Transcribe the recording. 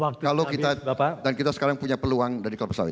kalau kita dan kita sekarang punya peluang dari korposal